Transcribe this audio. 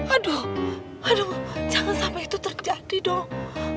aduh aduh jangan sampai itu terjadi dong